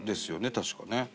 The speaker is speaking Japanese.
確かね。